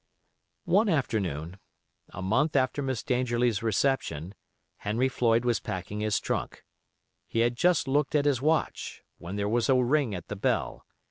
One afternoon, a month after Miss Dangerlie's reception, Henry Floyd was packing his trunk. He had just looked at his watch, when there was a ring at the bell.